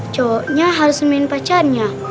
cowoknya harus ngemin pacarnya